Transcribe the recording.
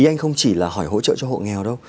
như anh không chỉ là hỏi hỗ trợ cho hộ nghèo đâu